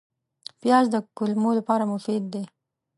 پیاز د کولمو لپاره مفید دی